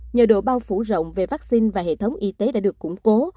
nhờ độ bao phủ rộng về vaccine và hệ thống y tế đã được củng cố